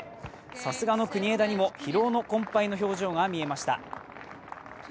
さすがの国枝にも疲労困ぱいの表情が見えました。